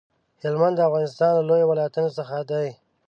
هلمند د افغانستان له لويو ولايتونو څخه دی.